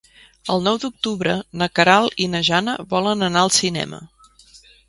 El nou d'octubre na Queralt i na Jana volen anar al cinema.